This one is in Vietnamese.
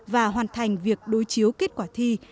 và hoàn thành việc đối chiếu kết quả thi